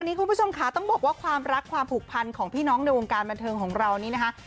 คุณผู้ชมค่ะต้องบอกว่าความรักความผูกพันของพี่น้องในวงการบันเทิงของเรานี้นะคะ